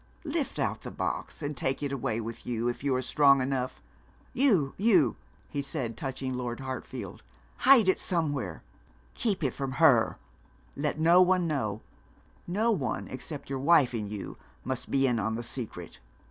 Lift out the box and take it away with you, if you are strong enough, you, you,' he said, touching Lord Hartfield. 'Hide it somewhere keep it from her. Let no one know no one except your wife and you must be in the secret.'